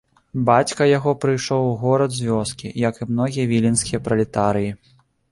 Бацька яго прыйшоў у горад з вёскі, як і многія віленскія пралетарыі.